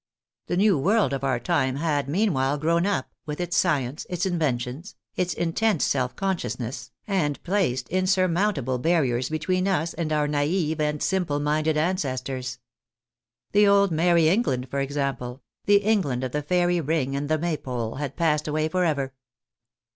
The new world of our time had, meanwhile, grown up, with its science, its inventions, its intense self consciousness, and placed insurmountable CONCLUSION «7 barriers between us and our naive and simple minded ancestors. The old Merry England, for example, the England of the fairy ring and the Maypole, had passed away for ever.